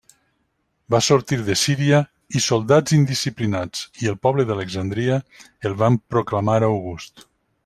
Va sortir de Síria i soldats indisciplinats i el poble d'Alexandria el van proclamar august.